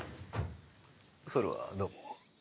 それはどうも。